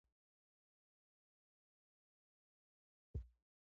زوی يې په تروه څېره ککره څنډله.